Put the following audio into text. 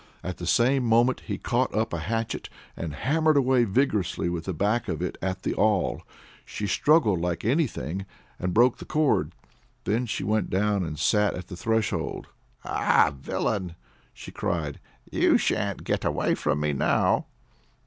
At the same moment he caught up a hatchet, and hammered away vigorously with the back of it at the awl. She struggled like anything, and broke the cord; then she went and sat down at the threshold. "Ah, villain!" she cried. "You sha'n't get away from me now!"